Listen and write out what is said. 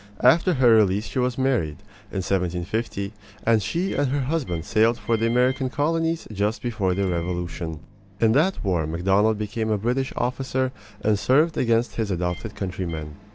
After her release she was married, in 1750; and she and her husband sailed for the American colonies just before the Revolution. In that war Macdonald became a British officer and served against his adopted countrymen.